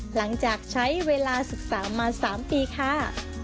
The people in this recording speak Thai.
หลังจากใช้เวลาศึกษามา๓ปีค่ะ